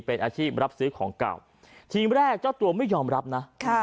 เป็นอาชีพรับซื้อของเก่าทีมแรกเจ้าตัวไม่ยอมรับนะ